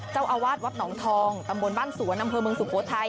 เจ้าอาวาสวัดหนองทองตำบลบ้านสวนอำเภอเมืองสุโขทัย